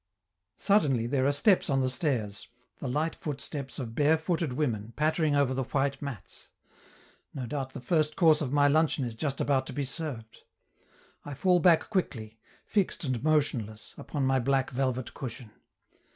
Suddenly there are steps on the stairs, the light foot steps of barefooted women pattering over the white mats. No doubt the first course of my luncheon is just about to be served. I fall back quickly, fixed and motionless, upon my black velvet cushion.